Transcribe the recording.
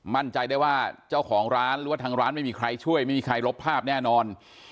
มั่นใจได้ว่าเจ้าของร้านหรือว่าทางร้านไม่มีใครช่วยไม่มีใครลบภาพแน่นอน